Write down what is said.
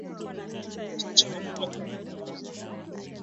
Chemsha mafuta kwenye kikaango